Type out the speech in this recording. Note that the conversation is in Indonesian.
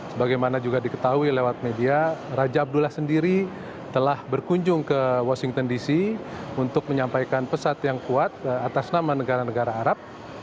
sebagaimana juga diketahui lewat media raja abdullah sendiri telah berkunjung ke washington dc untuk menyampaikan pesan yang kuat atas nama negara negara arab